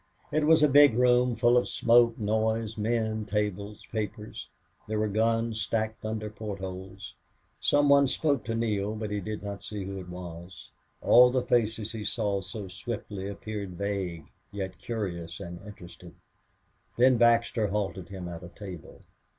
It was a big room, full of smoke, noise, men, tables, papers. There were guns stacked under port holes. Some one spoke to Neale, but he did not see who it was. All the faces he saw so swiftly appeared vague, yet curious and interested. Then Baxter halted him at a table.